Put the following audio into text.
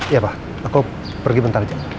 iya pak aku pergi bentar